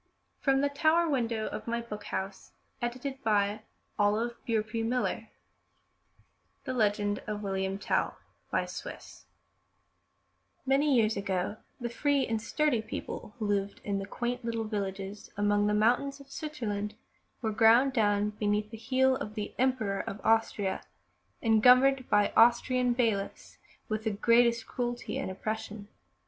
Liberty's in every blow! — Let us do, or die! "^(V i 289 MY BOOK HOUSE THE LEGEND OF WILLIAM TELL MANY years ago the free and sturdy people who lived in the quaint little villages among the mountains of Switzerland were ground down beneath the heel of the emperor of Austria and governed by Austrian bailiffs with the greatest cruelty and oppres sion.